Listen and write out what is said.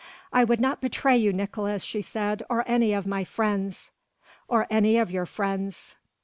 "I would not betray you, Nicolaes," she said. "Or any of my friends?" "Or any of your friends."